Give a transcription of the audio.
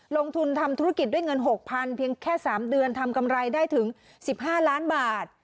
ลงทุนทำธุรกิจด้วยเงิน๖๐๐เพียงแค่๓เดือนทำกำไรได้ถึง๑๕ล้านบาท